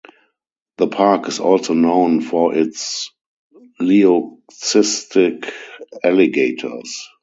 The park is also known for its leucistic alligators.